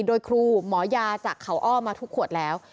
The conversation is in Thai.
โดยครูหมอยาจากเขาอ้อมาทุกขวดแล้ว